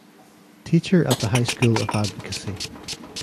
Teacher at the High School of Advocacy.